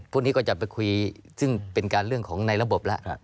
พวกนี้ก็จะไปคุยซึ่งเป็นการเรื่องของในระบบแล้ว